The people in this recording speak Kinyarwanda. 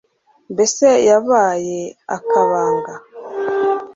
mbese yabaye akabanga